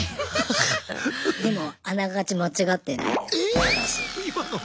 でもあながち間違ってないです話。